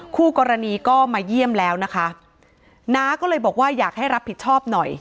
คู่กรณีก็มาเยี่ยมแล้วนะคะน้าก็เลยบอกว่าอยากให้รับผิดชอบหน่อย